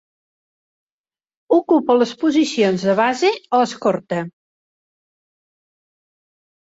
Ocupa les posicions de base o escorta.